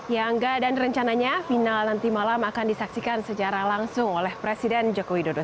ya angga dan rencananya final nanti malam akan disaksikan secara langsung oleh presiden joko widodo